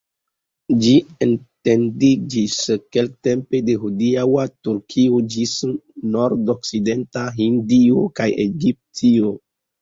Ĝi etendiĝis kelktempe de hodiaŭa Turkio ĝis nordokcidenta Hindio kaj Egiptio.